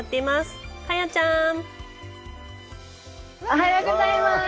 おはようございます。